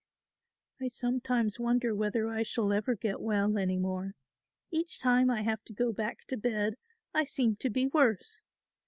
"I sometimes wonder whether I shall ever get well any more; each time I have to go back to bed I seem to be worse.